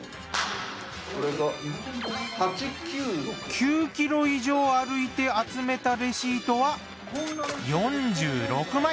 ９ｋｍ以上歩いて集めたレシートは４６枚。